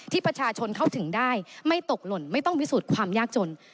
ประชาชนเข้าถึงได้ไม่ตกหล่นไม่ต้องพิสูจน์ความยากจน